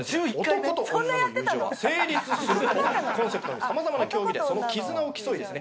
「男と女の友情は成立する」をコンセプトにさまざまな競技でその絆を競いですね